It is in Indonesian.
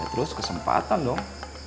ya terus kesempatan dong